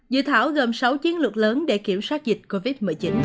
dự thảo gồm sáu chiến lược lớn để kiểm soát dịch covid một mươi chín